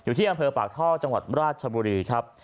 อยู่ที่อังเภอปากท่อจังหวัตรธรรมดิ์ราชบุดีครับ